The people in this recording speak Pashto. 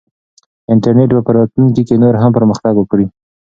انټرنیټ به په راتلونکي کې نور هم پرمختګ وکړي.